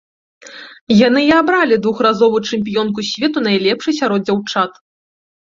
Яны і абралі двухразовую чэмпіёнку свету найлепшай сярод дзяўчат.